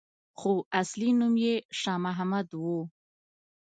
خو اصلي نوم یې شا محمد وو.